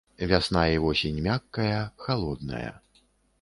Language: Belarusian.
Вясна і восень мяккая халодная.